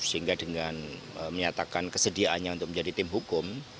sehingga dengan menyatakan kesediaannya untuk menjadi tim hukum